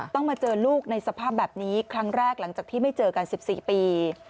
มาเจอลูกในสภาพแบบนี้ครั้งแรกหลังจากที่ไม่เจอกัน๑๔ปี